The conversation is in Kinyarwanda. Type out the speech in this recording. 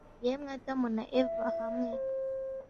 Yemwe Adamu na Eva hamwe